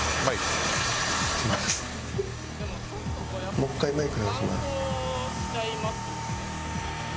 「もう１回マイク直します」。